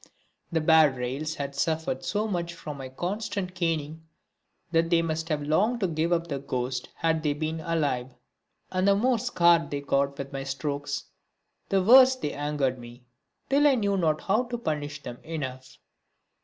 The bad rails had suffered so much from my constant caning that they must have longed to give up the ghost had they been alive. And the more scarred they got with my strokes the worse they angered me, till I knew not how to punish them enough.